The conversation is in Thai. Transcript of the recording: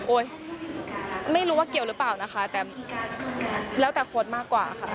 ไม่รู้ว่าเกี่ยวหรือเปล่านะคะแต่แล้วแต่โค้ดมากกว่าค่ะ